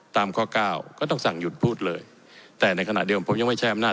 ตามข้อเก้าก็ต้องสั่งหยุดพูดเลยแต่ในขณะเดิมผมยังไม่ใช้อำนาจ